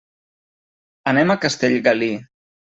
Anem a Castellgalí.